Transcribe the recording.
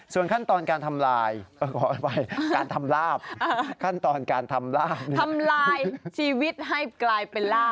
ส่วนขั้นตอนการทำลาย